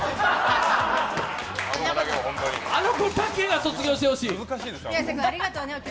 あの子だけは卒業してほしい。